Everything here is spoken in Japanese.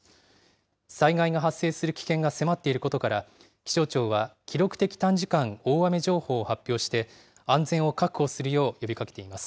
災害の発生する危険が迫っていることから、気象庁は、記録的短時間大雨情報を発表して、安全を確保するよう呼びかけています。